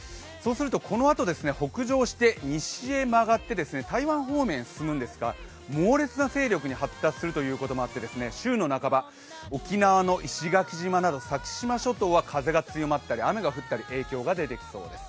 このあと、北上して西へ曲がって台湾方面へ進むんですが猛烈な勢力に発達するということもあって週の半ば、沖縄の石垣島など先島諸島など風が強まったり雨が強まったり影響が出てきそうです。